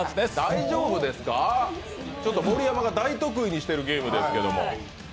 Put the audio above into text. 大丈夫ですか、盛山が大得意にしているゲームですけど。